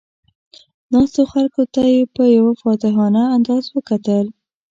ناستو خلکو ته یې په یو فاتحانه انداز وکتل.